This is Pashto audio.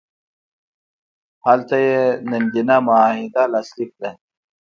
هلته یې ننګینه معاهده لاسلیک کړه.